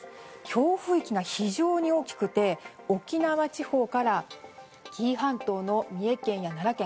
強風域が非常に大きくて沖縄地方から紀伊半島の三重県や奈良県